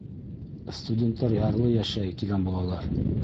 Студенттар ярлы йәшәй тигән булалар.